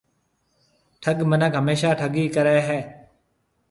ٺَگ مِنک هميشا ٺَگِي ڪريَ هيَ۔